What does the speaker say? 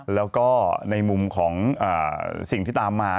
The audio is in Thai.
แล้วก็ในมุมของสิ่งที่ตามมา